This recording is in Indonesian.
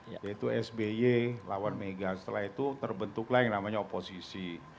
yaitu sby lawan mega setelah itu terbentuklah yang namanya oposisi